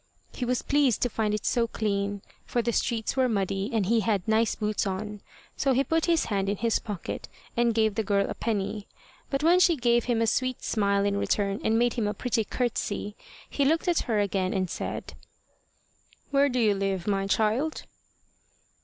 He was pleased to find it so clean, for the streets were muddy, and he had nice boots on; so he put his hand in his pocket, and gave the girl a penny. But when she gave him a sweet smile in return, and made him a pretty courtesy, he looked at her again, and said: "Where do you live, my child?"